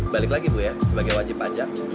balik lagi bu ya sebagai wajib pajak